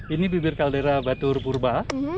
ini bibir kaldera batur purba